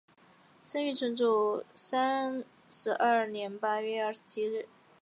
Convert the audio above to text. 生于纯祖三十二年八月二十七日。